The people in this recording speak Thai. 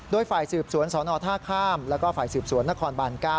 โดยฝ่ายสืบสวนสนท่าข้ามแล้วก็ฝ่ายสืบสวนนครบาน๙